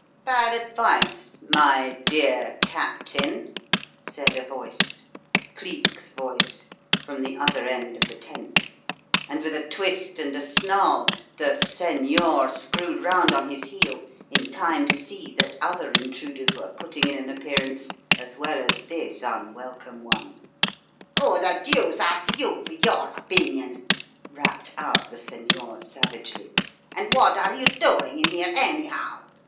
"Bad advice, my dear captain," said a voice Cleek's voice from the other end of the tent; and with a twist and a snarl the "señor" screwed round on his heel in time to see that other intruders were putting in an appearance as well as this unwelcome one. "Who the deuce asked you for your opinion?" rapped out the "señor" savagely. "And what are you doing in here, anyhow?